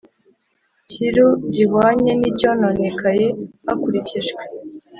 Cyiru gihwanye n icyononekaye hakurikijwe